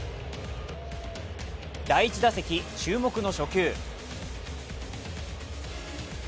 第１打席、注目の初球。